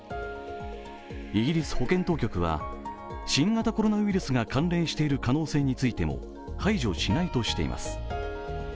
イギリス保健当局は新型コロナウイルスが関連している可能性についても排除しないとしています。